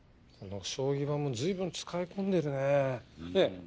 この将棋盤も随分使い込んでるねえ。